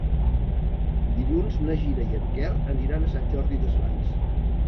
Dilluns na Gina i en Quer aniran a Sant Jordi Desvalls.